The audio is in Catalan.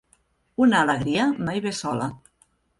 Una alegria mai ve sola.